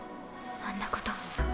あんなこと。